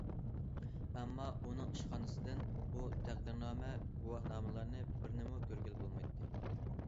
ئەمما ئۇنىڭ ئىشخانىسىدىن بۇ تەقدىرنامە، گۇۋاھنامىلەرنىڭ بىرىنىمۇ كۆرگىلى بولمايتتى.